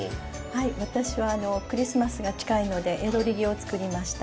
はい私はあのクリスマスが近いので「ヤドリギ」を作りました。